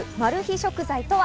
食材とは？